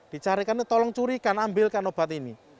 dicarikannya tolong curikan ambilkan obat ini